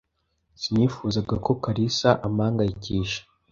Sinifuzaga ko Kalisa ampangayikisha.